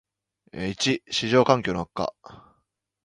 ① 市場環境の悪化